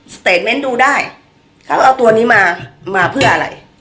สเตจเมนต์ดูได้เขาเอาตัวนี้มามาเพื่ออะไร